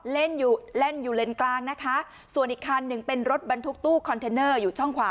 เล่นอยู่แล่นอยู่เลนกลางนะคะส่วนอีกคันหนึ่งเป็นรถบรรทุกตู้คอนเทนเนอร์อยู่ช่องขวา